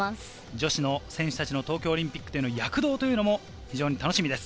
女子の選手たちの東京オリンピックでの躍動も楽しみです。